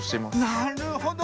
なるほど。